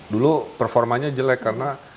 dulu performanya jelek karena